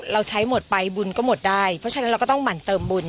เราใช้หมดไปบุญก็หมดได้เพราะฉะนั้นเราก็ต้องหมั่นเติมบุญ